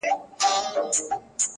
په ککړو په مستیو په نارو سوه -